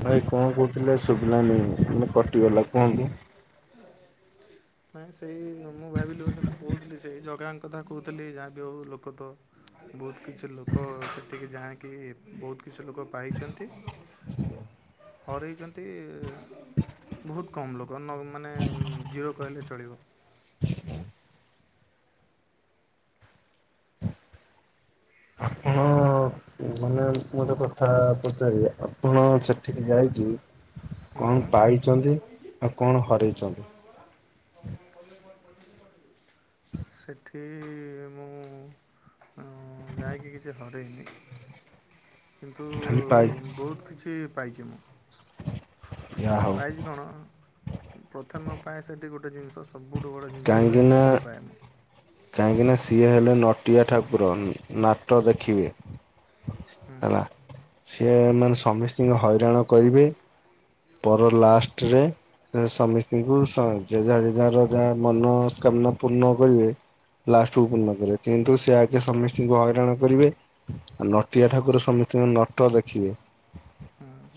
ଭାଇ ହ୍ୟାଲୋ କଣ କୋହୁଥିଲେ ଶୁଭିଲା ନେଇଁ ମାନେ କଟିଗଲା କୁହନ୍ତୁ? ନାଇଁ ସେଇ ମୁଁ ଭାବିଲି ବୋଧେ ମୁଁ କୋହୁଥିଲି ସେଇ ଜଗାଙ୍କ କଥା କୋହୁଥିଲି ଯାହାବି ହୋଉ ଲୋକ ତ ବୋହୁତ କିଛି ଲୋକ ସେଠିକି ଯାହାକି ବୋହୁତ କିଛି ଲୋକ ପାଇଚନ୍ତି। ହରେଇଚନ୍ତି ବୋହୁତ କମ୍ ଲୋକ ନ୍ ମାନେ ଜିରୋ କହିଲେ ଚଳିବ। ଆପଣ ମାନେ ମୁଁ ଗୋଟେ କଥା ପଚାରିବି ଆପଣ ସେଠିକି ଯାଇକି ହୁଁ ହୁଁ। କଣ ପାଇଛନ୍ତି ଆଉ କଣ ହରେଇଛନ୍ତି? ସେଠି ମୁଁ ଉଁ ଯାଇକି କିଛି ହରେଇନି। କିନ୍ତୁ ଖାଲି ପାଇ ବୋହୁତ କିଛି ପାଇଚି ମୁଁ। ଯାହା ହଉ ପାଇଚି କଣ ପ୍ରଥମେ ମୋ ପାଇଁ ସେଠି ଗୋଟେ ଜିନିଷ ସବୁଠୁ ବଡ଼ ଜିନିଷ ଯେଉଁଟାକି କାହିଁକିନା ଶାନ୍ତି ପାଏ ମୁଁ କାହିଁକିନା ସିଏ ହେଲେ ନଟିଆ ଠାକୁର ନାଟ ଦେଖିବେ ହୁଁ ହୁଁ ହେଲା। ସିଏ ମାନେ ସମସ୍ତିକି ହଇରାଣ କରିବେ। ପର ଲାଷ୍ଟରେ ଏ ସମିସ୍ତିଙ୍କୁ ଯେଝା ଯେଝାର ଯା ମନସ୍କାମନା ପୂର୍ଣ୍ଣ କରିବେ। ଲାଷ୍ଟକୁ ପୂର୍ଣ୍ଣ କରିବ, କିନ୍ତୁ ସେ ଆଗେ ସମସ୍ତିଙ୍କୁ ହଇରାଣ କରିବେ। ନଟିଆ ଠାକୁର ସମି [unintelligible] ନଟ ଦେଖିବେ।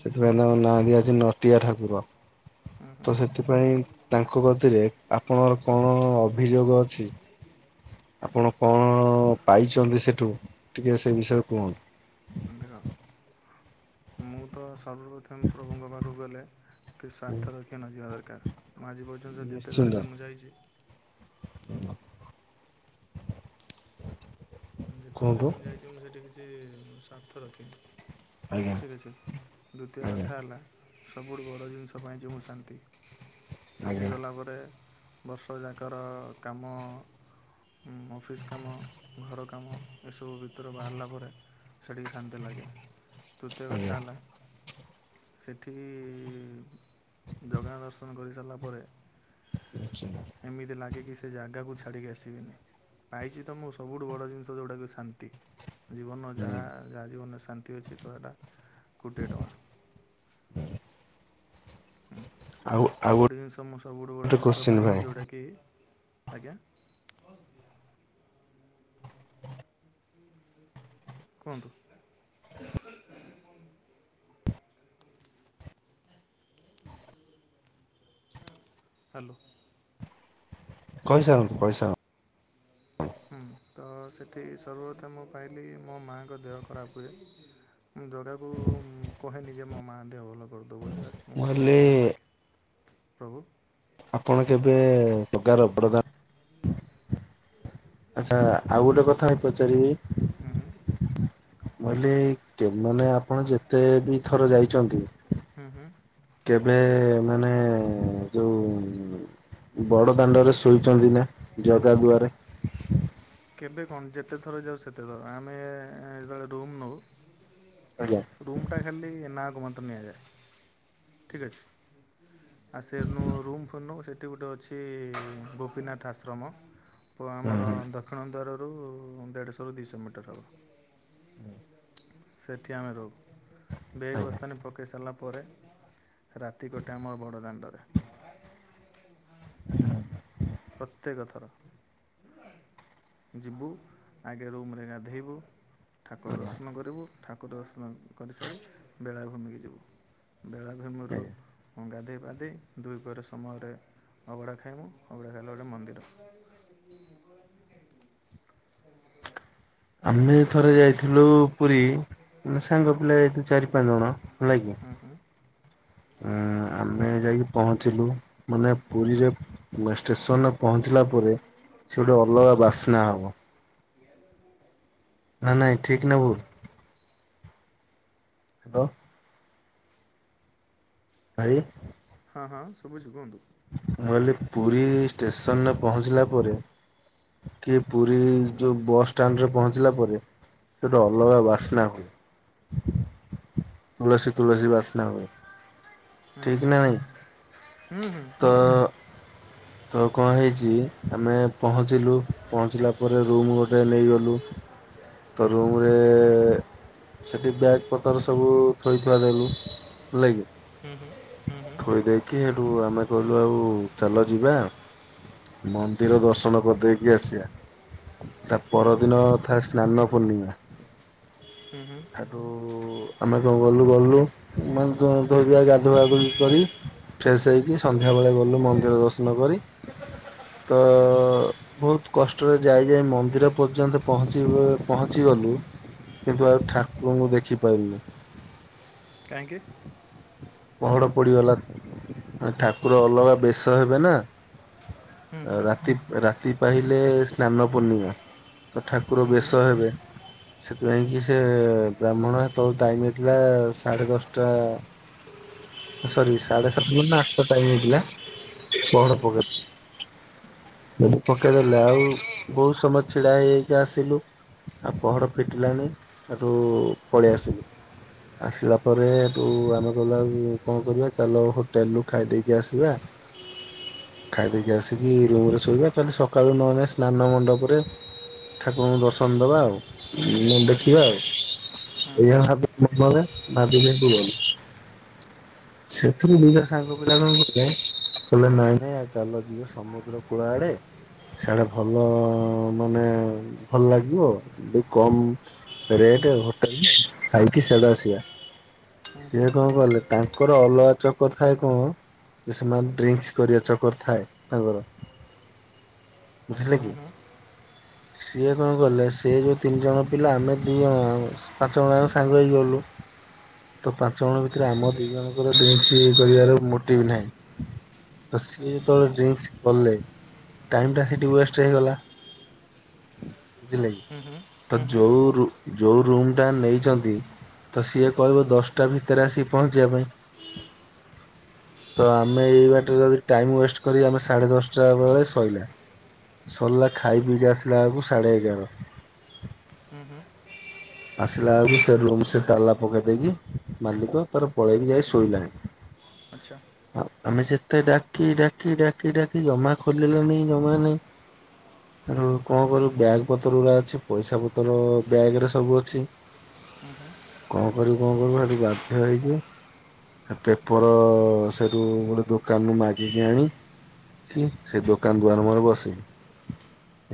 ସେଥିପାଇଁ ତାଙ୍କ ନାଁ ଦିଆଯାଇଚି ନଟିଆ ଠାକୁର। ତ ସେଥିପାଇଁ ତାଙ୍କ କତିରେ ଆ ପଣରଙ୍କର କଣ ଅଭିଯୋଗ ଅଛି। ଆପଣ କଣ ପାଇଚନ୍ତି ସେଠୁ ଟିକେ ସେ ବିଷୟରେ କୁହନ୍ତ। ଦେଖ ମୁଁ ତ ସର୍ବପ୍ରଥମେ ପ୍ରଭୁଙ୍କ ପାଖକୁ ଗଲେ କିଛି ସ୍ୱାର୍ଥ ରଖିବା ନ ଯିବା ଦରକାର। ମୁଁ ଆଜି ପର୍ଯ୍ୟନ୍ତ ଯେତେ ଧର ବିି ମୁଁ ଯାଇଚି। ହୁଁ [inaudible] ଯେତେଥରେ ମୁଁ ଯାଇଛି ମୁଁ ସେଇଠି କିଛି ସ୍ୱାର୍ଥ ରଖିନି। ଆଜ୍ଞା ଠିକ ଅଛି ଦ୍ବିତୀୟ ଆଜ୍ଞା କଥା ହେଲା, ସବୁଠୁ ବଡ଼ ଜିନିଷ ପାଇଛି ମୁଁ ଶାନ୍ତି ସେଠିକି ଆଜ୍ଞା ଗଲା ପରେ ବର୍ଷ ଯାକର କାମ ଅଫିସ୍ କାମ ଘର କାମ ଏସବୁ ଭିତରୁ ବାହାରିଲା ପରେ ସେଠିକି ଶାନ୍ତି ଲାଗେ ତୃତୀୟ କଥା ଆଜ୍ଞା ହେଲା ସେଠି ଜଗା ଦର୍ଶନ କରିସାରିଲା ପରେ ନିଶ୍ଚିନ୍ତ ଏମିତି ଲାଗେ କି ସେ ଜାଗାକୁ ଛାଡ଼ିକି ଆସିବିନି ପାଇଛି ତ ମୁଁ ସବୁଠୁ ବଡ଼ ଜିନିଷ ଯେଉଁଟାକି ଶାନ୍ତି। ଜୀବନ ଯାହା ହୁଁ ଯାହା ଜୀବନରେ ଶାନ୍ତି ଅଛି ତହେଟା କୋଟିଏ ଟଙ୍କା। ଆଉ ଗୋଟେ ଜିନିଷ ମୁଁ ସବୁଠୁ ବଡ଼ ଗୋଟେ ଜିନିଷ କୋଶ୍ଚିନ୍ ଭାଇ ପାଇଛି ଯେଉଁଟାକି ଆଜ୍ଞା, କୁହନ୍ତୁ। ହ୍ୟାଲୋ, କହିସାର କହିସାର। ହୁଁ ତ ସେଠି ସର୍ବପ୍ରଥମେ ମୁଁ ପାଇଲି ମୋ ମାଆଙ୍କ ଦେହ ଖରାପ ହୁଏ। ଜଗାକୁ ମୁଁ କହେନି ଯେ ମୋ ମାଆ ଦେହ ଭଲ କରିଦବ ବୋଲି ବାସ୍ ମୁଁ ଗୋଟେ ଜିନିଷତାକୁ ମାଗେ। ପ୍ରଭୁ, ଆପଣ କେବେ ପ୍ରକାର ଅପ୍ରଦାନ ଆଚଛା ଆଉ ଗୋଟେ କଥା ହେ ପଚାରିବି କହିଲେ ମାନେ ଆପଣ ଯେତେ ଦୁଇଥର ଯାଇଛନ୍ତି କେ ଏବେ ମାନେ ଯୋଉ ବଡ ଦାଣ୍ଡରେ ଶୋଇଛନ୍ତି ନା ଜଗା ଦୁଆରେ? କେବେ କଣ ଯେତେ ଥର ଯାଉ ସେତେ ଥର ଆମେ ଯେତେବେଳେ ରୁମ୍ ନଉ ଆଜ୍ଞା। ରୁମ୍ଟା ଖାଲି ନାକୁ ମାତ୍ର ନିଆଯାଏ ଠିକ୍ ଅଛି। ଆଉ ସେ ନୁ ରୁମ୍ ଫୁନୁ ସେଠି ଗୋଟେ ଅଛି ଗୋପୀନାଥ ଆଶ୍ରମ ହୁଁ ଆମର ହୁଁ ଦକ୍ଷିଣ ଦ୍ୱାରରୁ ଦେଢ଼ଶହରୁ ଦୁଇଶହ ମିଟର ହେବ। ହୁଁ, ସେଠିଆମେ ରହୁ ଆଜ୍ଞା ବେଗବସ୍ତାନି ପକେଇ ସାଲା ପରେ ରାତିକଟେ ଆମର ବଡ଼ ଦାଣ୍ଡରେ। ହଁ [inaudible] ପ୍ରତ୍ୟେକ ଥର ଯିବୁ ଆଗେ ରୁମ୍ରେ ଗାଧେଇବୁ ଠାକୁର ଆଜ୍ଞା ଦର୍ଶନ କରିବୁ ଠାକୁର ଦର୍ଶନ କରିସାରି ବେଳାଭୂମିକୁ ଯିବୁ ବେଳାଭୂମିରୁ ଆଜ୍ଞା ଗାଧେଇ ପାଧେଇ ଦୁଇ ପହର ସମୟରେ ଅବଢା ଖାଇମୁ ଅବଢ଼ା ଖାଇଲାବେଳେେ ମନ୍ଦିର ଆମେ ଥରେ ଯାଇଥିଲୁ ପୁରୀ ମାନେ ସାଙ୍ଗ ପିଲା ଯାଇୁ ଚାରି ପାଞ୍ଚ ଜଣ ହେଲା କି ହୁଁ ହୁଁ ଉଁ ଆମେ ଯାଇ ପହଞ୍ଚିଲୁ ମାନେ ପୁରୀରେ ଷ୍ଟେସନରେ ପହଞ୍ଚିଲା ପରେ ସେ ଗୋଟେ ଅଲଗା ବାସ୍ନା ହବ। ନା ନାଇଁ ଠିକ ନ ଭୁଲ? ହାଲୋ। ଭାଇ, ହଁ ହଁ ଶୁବୁଚି କୁହନ୍ତୁ। ମୁଁ କହଲିି ପୁରୀ ଷ୍ଟେସନରେ ପହଞ୍ଚିଲା ପରେ କିଏ ପୁରୀ ଯୋଉ ବସ୍ ଷ୍ଟାଣ୍ଡ ରେ ପହଞ୍ଚିଲା ପରେ ସେଟା ଅଲଗା ବାସନା ହଏ ତୁଲସୀ ତୁଲସୀ ବାସନା ହୁଏ। ଠିକ ନା ନାଇ ତ ତ କଣ ହେଇଛି ଆମେ ପହଞ୍ଚିଲୁ ପହଞ୍ଚିଲା ପରେ ରୁମ ଗୋଟେ ନେଇଗଲୁ। ତ ରୁମ ରେ ସେଠି ବ୍ୟାଗ ପତର ସବୁ ଥୋଇ ଥୁଆଦେଲୁ ହେଲାକି। ଥୋଇ ଦେଇକି ହେଟୁ ଆମେ କହିଲୁ ଆଉ ଚାଲ ଯିବା। ମନ୍ଦିର ଦର୍ଶନ କରିଦେଇକି ଆସିବା। ତା ପରଦିନ ଥାଏ ସ୍ନାନ ପୂର୍ଣ୍ଣିମା। ହୁଁ ହୁଁ। ହେଠୁ ଆମେ କଣ ଗଲୁ ଗଲୁ ମାନେ ଧର ଗାଧୁଆବାାଧୁ କରି ଫ୍ରେେଶ ହେଇକି ସନ୍ଧ୍ୟାବେେଳେ ଗଲୁ ମନ୍ଦିର ଦର୍ଶନ କରି। ତ ବହୁତ କଷ୍ଟରେ ଯାଇ ଯାଇ ମନ୍ଦିର ପର୍ଯ୍ୟନ୍ତ ପହଞ୍ଚିବ ପହଞ୍ଚି ଗଲୁ କିନ୍ତୁ ଆଉ ଠାକୁରଙ୍କୁ ଦେଖିପାରିଲୁନୁ। କାହିଁକି? ପହଡ ପଡିଗଲା ଠାକୁର ଅଲଗା ବେଶ ହେବେ ନା। ରାତି ରାତି ପାହିଲେ ସ୍ନାନ ପୂର୍ଣ୍ଣିମା। ତ ଠାକୁର ବେଶ ହେବେ। ସେଥିପାଇଁ କି ସେ ବ୍ରାହ୍ମଣ ତୋ ଟାଇମ ହେଇଥିଲା ସାଢେ ଦଶଟା ସରି ସାଢେ ସାତଟା ନା ଆଠଟା ଟାଇମି ହେଇଥିଲା। ତିକେ ପହଡ ପକେ ସେ ହୁଁ ପକେଇଦେଲେ ଆଉ ବହୁତ ସମୟ ଛିଡା ହେଇଇକି ଆସିଲୁ। ଆଉ ପହଡ଼ ଫିଟିଲାଣି ଆଠୁ ପଳେଇ ଆସିଲୁ। ଆସିଲା ପରେ ହେଟୁ ଆମେ ଗଲା କଣ କରିବା ଚାଲ ହୋଟେଲ ରୁ ଖାଇଦେଇକି ଆସିବା। ଖାଇଦକି ଆସିକି ରୁମ ରେ ଶୋଇବା ଖାଲି ସକାଳୁ ନହଲେ ସ୍ନାନ ମଣ୍ଡପରେ ଠାକୁରଙ୍କୁ ଦର୍ଶନ ଦବା ଆଉ। ଦେଖିବା ଆଉ ହୁଁ ଏଇଆ ଭାବିକିମନରେ ଭା ବିକିହେଟୁ ଗଲୁ ସେଥିରୁ ଦୁ ତ ସାଙ୍ଗ ପିଲା କଣ କରିଲେ। କହିଲଲେ ନାଇଁ ନାଇଁ ଆଉ ଚାଲ ଯିବେ ସମୁଦ୍ର କୂଳା ଆଡେ ସାଡେ ଭଲ ମାନେ ଭଲ ଲାଗିବ ବିକମ। ରେଟ ହୋଟେଲ ଖାଇକି ସାଦୁ ଆସି ବା। ସେି କଣ କଲେ ତାଙ୍କର ଅଲଗା ଚକର ଥାଏ କଣ। ସେମାନେ ଡ୍ରିଙ୍କସ କରିବା ଚକର ଥାଏ ତାଙ୍କର। ବୁଝିଲିଲେ କି? ସିଏ କଣ କଲେ ସେି ଯୋଉ ତିନି ଜଣ ପିଲା ଆମେ ଦି ଜଣ ପାଞ୍ଚ ଜଣ ଆ ସାଙ୍ଗ ହେଇକଗଲୁ। ତ ପାଞ୍ଚ ଜଣ ଭିତରେ ଆମ ଦି ଜଣଙ୍କର ଡ କରିବାର ମୋଟିଭ ନାହିଁ। ତ ସିଏ ଯେତେବେ ଡ୍ରି କଲେ ଟାଇମ ଟା ସେଠି ୱଷ୍ଟ ହେଇଗଲା। ବୁଝିଲ ତ ଜୋରୁ ଯେଉ ରୁମ୍ଟା ନେଇଛନ୍ତି ତ ସିଏ କହିବ ଦଶ ତଭି ତେରାସିୀ ପହଞ୍ଚିବା ପାଇଁ। ତ ଆମେ ଏଇ ବାଟ ଯଦ ଟାଇମ ୱେଷ୍ଟ କରି ଆମେ ସାଢେ ଦଶଟା ବେଳେ ସୋଇଲା। ସରିଲା ଖାଇ ପିଇକି ଆସିଲା ବେଳକୁ ସାଢେ ଏଗାର। ହୁ ହୁଁ। ଆସିଲା ବେଳକୁ ସେ ରୁମ ସେ ତାଲା ପକେଇ ଦେଇକି ମାଲିକ ତାର ପଳେଇକି ଯାଇ ଶୋଇଲାଣି। ଆଚ୍ଛା। ଆଉ ଆମେ ଯେତେ ଡାକି ଡାକି ଡାକି ଡାକି ଜମା ଖୋଲିଲାନି ଜମା ନାଇଁ। ଆଉ କଣ କରିବୁ ବ୍ୟାଗ୍ ପତ୍ର ଗୁଡା ଅଛି ପଇସା ପତ୍ର ବ୍ୟାଗ ରେ ସବୁ ଅଛି କଣ କରିବୁ କଣ କରିବୁ ହେଠୁ ବାଧ୍ୟ ହେଇକି? ପେପର ସେଠୁ ଗୋଟେ ଦୋକାନରୁ ମାଜିିକି ଆଣି। କି ସେ ଦୋକାନ ଦୁାର ମୁହିଁରେ ବସିଲୁ।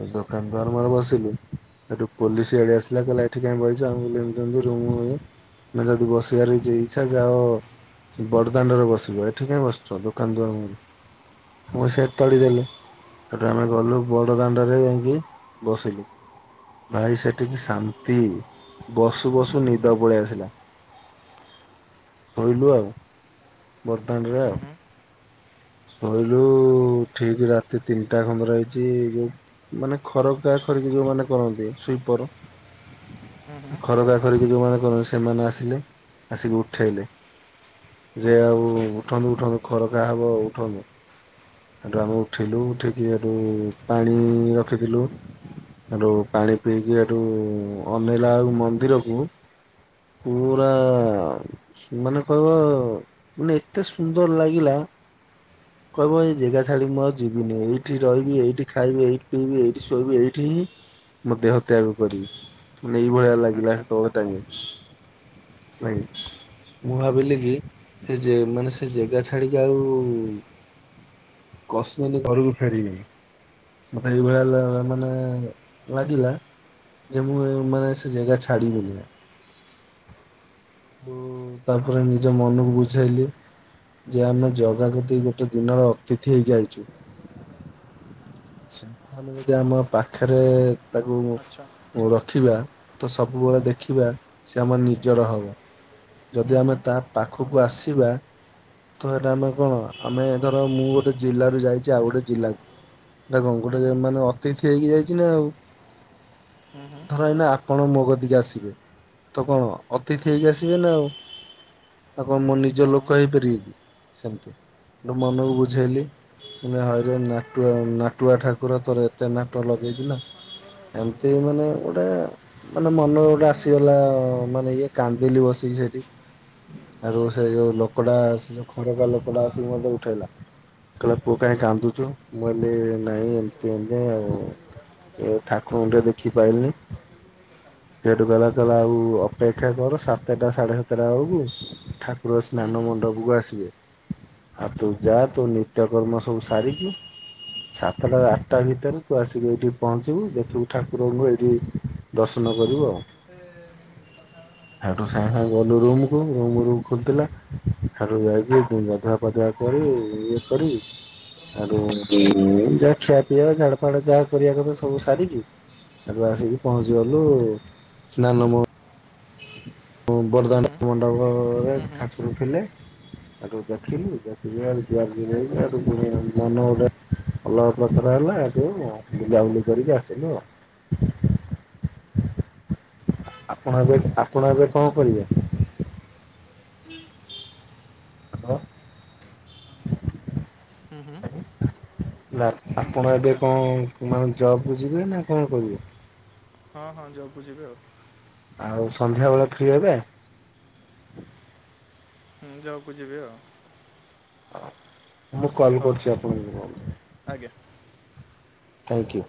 ଏ ଦୋକାନ ଦୁଆର ମୁଁହରେ ବସିଲୁ ଏଠୁ ପେଲିଶିଗଡି ଆସିଲା କ ଏଠି କାଇଁ ବଇଛ ଆମେ କଇଲୁ ଏମତି ଏମତି ରୁମ ଗଲେ ମାନେ ଯଦି ବସି ବାର ଇଚ୍ଛା ଯାଅ। ସେଇ ବଡ଼ଦାଣ୍ଡରେ ବସିବ ଏଠି କାଇଁ ବସିଛ ଦୋକାନ ଦୁଆର ମୁହଁରେ। ମୁ ଆଚ୍ଛା ସେ ତଡ଼ି ଦେଲେ। ସେଠୁ ଆମେ ଗଲୁ ବଡ ଦାଣ୍ଡରେ ଯାଇକି ବସିଲୁ ଭାଇ ସେଠି କି ସାନ ଶାନ୍ତି ବସୁ ବସୁ ନିଦ ପଳେଇ ଆସିଲା। ଶୋଇଲୁ ଆଉ ବଡଦାଣ୍ଡ ରେ ଆଉ। ହୁଁ ଶୋଇଲୁ ଠିକ ରାତି ତିନିଟା ଖଣ୍ଡରେ ହେଇଛି ଯୋଉ ମାନେ ଖରକା ଖରିକି ଯୋଉ ମାନେ କରନ୍ତି ସ୍ଵିପର ଖରକା ଖରି କି ଯୋଉମାନେ କରନ୍ତି ସେମାନେ ଆସିଲେ ଆସିକି ଉଠେଇଲେ। ଯେ ଆଉ ଉଠନ୍ତୁ ଉଠନ୍ତୁ ଖରକା ହବ ଉଠନ୍ତୁ। ସେଠୁ ଆମେ ଉଠିଲୁ ଉଠିକି ହେଟୁ ପାଣି ରଖିଥିଲୁ। ହେଟୁ ପାଣି ପିଇକି ହେଟୁ ଅନେଇଲା ବେଳକୁ ମନ୍ଦିରକୁ। ପୁରା ମାନେ କହିବ ମାନେ ଏତେ ସୁନ୍ଦର ଲାଗିଲା। କହିବ ଏଇ ଯେଗା ଛାଡି ମୁଁ ଆଉ ଯିବିନି ଏଇଠି ରହିବି ଏଇଠି ଖାଇବି ଏଇଠି। ପିବି ଏଇଠି ଶୋଇବି ଏଇଠି ହିଁ ମୋ ଦେହ ତ୍ୟାଗ କରିବି। ମାନେ ଏଇ ଭଳିଆ ଲାଗିଲା ଆଚ୍ଛା ସେତ ବେଳ ଟାଇମ ରେ ଭାଇ। ମୁ ଭାବିଲି କି ସେ ଯେ ମାନେ ସେ ଯେଗା ଛାଡିକି ଆଉ। କସ୍ମିନ୍ ଘରକୁ ଫେରିବିନି। ମତେ ଏଇଭଳିଆ ଲା ମାନେ ଲାଗିଲା। ଯେ ମୁ ଉ ମାନ ସେ ଜାଗା ଛାଡ଼ି ବିନି ଆ। ଆଉ ତାପରେ ନିଜ ମନକୁ ବୁଝେଇଲି। ଯେ ଆମେ ଜଗା କତିକି ଗୋଟେ ଦିନର ଅତିଥି ହେଇକି ଆଇଛୁ। ସେମିତି ଆମେ ଯଦି ଆମ ପାଖରେ ତାକୁ ଆଚ୍ଛା ରଖିବା। ତ ସବୁବେଳେ ଦେଖିବା ସେ ଆମର ନିଜର ହବ। ଯଦି ଆମେ ତା ପାଖକୁ ଆସିବା। ତ ହେଟା ଆମେ କଣ ଆମେ ଧର ମୁଁ ଗୋଟେ ଜିଲ୍ଲାରୁ ଯାଇଛି ଆଉ ଗୋଟେ ଜିଲ୍ଲାକୁ। ଦେଖ ହୁଁ ଗୋଟେ ହୁଁ ମାନେ ଅତିଥି ହେଇକି ଯାଇଛି ନା ଆଉ। ହୁଁ ଧର ଏଇ ନା ଆପଣ ମୋ କତି କି ଆସିବେ ତ କଣ ଅତିଥି ହେଇକି ଆସିବେ ନା ଆଉ। ଆଉ କଣ ମୋ ନିଜ ହଁ ଲୋକ ହଁ ହେଇପାରିବେ କି। ସେମତି ସେଟୁ ମନକୁ ବୁଝେଇଲି ହଇରେ ନାଟୁଆ। ନାଟୁଆ ଠାକୁର ତୋର ଏତେ ନାଟ ଲଗେଇଛୁ ନା। ଏମତି ମାନେ ଗୋଟା ମାନେ ମନ ଗୋଟା ଆସିଗଲା ମାନେ ଇଏ କାନ୍ଦିଲି ବସି। ସେଠି ସେଠୁ ସେ ଯୋଉ ଲୋକଟା ସେ ଯୋଉ। ଖରେବା ଲୋକ ଟା ଆସିକି ମତେ ଉଠେଇଲା କହିଲା ପୁଅ କାଇଁ କାନ୍ଦୁଛୁ ମୁ କଇଲି। ନାଇଁ ଏମତି ଅନ୍ଦ ଆଉ ଠାକୁରଙ୍କୁ ଟିକେ ଦେଖି ପାଇଲିନି। ସେଇଠୁ କଇଲା ତାଲେ ଆଉ ଅପେକ୍ଷା କର ସାତଟା ସାଢେ ସାତଟା। ଆକୁ ଠାକୁର ସ୍ନାନ ମଣ୍ଡପ କୁ ଆସିବେ। ଆଉ ତୁ ଯା ତୁ ନିତ୍ୟକର୍ମ ସବୁ ସାରିକି। ସାତଟାରୁ ଆଠଟା ଭିତରେ ତୁ ଆସିକି ଏଇଠି ପହଞ୍ଚିବୁ ଦେଖିବୁ ଠାକୁରଙ୍କୁ ଏଇଠି। ଦର୍ଶନ କରିବୁ ଆଉ। ହେଟୁ ସାଙ୍ଗେ ସାଙ୍ଗେ ଗଲୁ ରୁମ କୁ ରୁମ୍ ରୁମ୍ ଖୋଲିଥିଲା। ହାଡ଼ୁରୁ ଯାଇକି ଏ ଗାଧୁଆ ପାଧୁଆ କରି ଇଏ କରି ହୁଁ ହାଡ଼ୁ। ହୁଁ ଯାହା ଖିଆ ପିଇବା ଝାଡ଼ା ଫାଡା ଯାହା କରିବା କଥା ସବୁ ସାରିକି। ସେଠୁ ଆସିକି ପହଞ୍ଚିଗଲୁ ସ୍ନାନ ମ ବଡଦାଣ୍ଡ ମଣ୍ଡପରେ ଠାକୁର ଥିଲେ। ସେଠୁ ଦେଖିଲୁ ଦେଖିଲି ଆଉ ଜିଆ ଜି ନାଇକି ସେଠୁ ପୁଣୀ ମନ ହଉଥାଏ। ଭଲ ପ୍ରକାର ହେଲା ହେଠୁ ବୁିଲ ବୁଲି କରିକି ଆସିଲୁ ଆଉ। ଆପଣ ଏବେ ଆପଣ ଏବେ କଣ କରିବେ। ହାଲୋ। ହୁଁ ହୁଁ ନା ଆପଣ ଏବେ ଆଚ୍ଛା କଣ ମାନେ ଜବ୍ କୁ ଯିବେ ନା କଣ କିରିବେ? ହଁ ହଁ ଜବ୍ କୁ ଯିବି ଆଉ। ଆଉ ସନ୍ଧ୍ୟାବେଳେ ଫ୍ରି ହେବେ? ହୁଁ ଜବ୍ କୁ ଯିବି ଆଉ। ମୁଁ କଲ୍ ହଉ କରୁଚି ଆପଣ [inaudible] ଆଜ୍ଞା ଥ୍ୟାଙ୍କୟୁ।